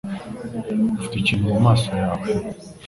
Ufite ikintu mumaso yawe